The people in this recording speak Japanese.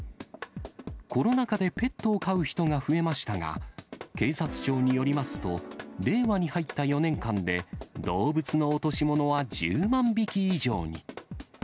コロナ禍でペットを飼う人が増えましたが、警察庁によりますと、令和に入った４年間で、動物の落とし物は１０万匹以上に。